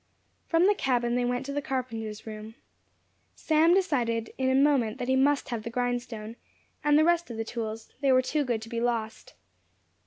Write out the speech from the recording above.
From the cabin they went to the carpenter's room. Sam decided in a moment that he must have the grindstone, and the rest of the tools they were too good to be lost.